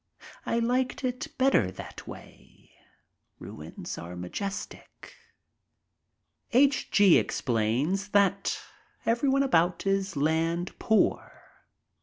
I liked it better that way. Ruins are majestic. H. G. explains that everyone about is land poor.